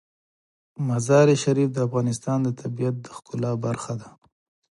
مزارشریف د افغانستان د طبیعت د ښکلا برخه ده.